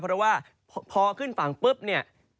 เพราะว่าพอขึ้นฝั่งปุ๊บเนี่ย